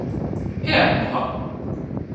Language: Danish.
her er min hånd!